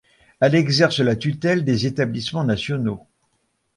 Elle exerce la tutelle des établissements nationaux.